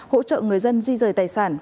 hỗ trợ người dân di rời tài sản